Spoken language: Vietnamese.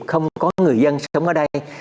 không có người dân sống ở đây